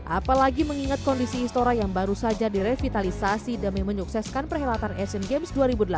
apalagi mengingat kondisi istora yang baru saja direvitalisasi demi menyukseskan perhelatan asian games dua ribu delapan belas